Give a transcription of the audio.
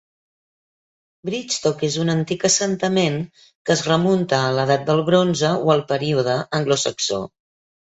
Brigstock és un antic assentament que es remunta a l'edat del bronze o al període anglosaxó.